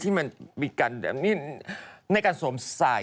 ที่มันมีการในการสงสัย